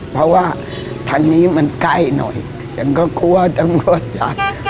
เพราะว่าทางนี้มันใกล้หน่อยฉันก็กลัวตำรวจจะ